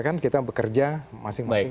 kan kita bekerja masing masing